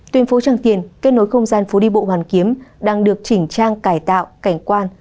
tuyên phố trang tiền kết nối không gian phố đi bộ hoàn kiếm đang được chỉnh trang cải tạo cảnh quan